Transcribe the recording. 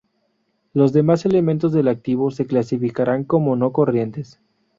Los demás elementos del activo se clasificarán como no corrientes.